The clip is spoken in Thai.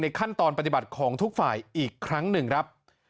ขั้นตอนปฏิบัติของทุกฝ่ายอีกครั้งหนึ่งครับ